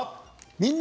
「みんな！